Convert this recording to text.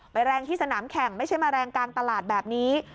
แรงที่สนามแข่งไม่ใช่มาแรงกลางตลาดแบบนี้